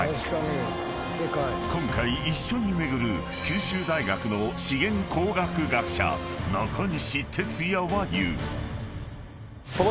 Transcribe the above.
［今回一緒に巡る九州大学の資源工学学者中西哲也は言う］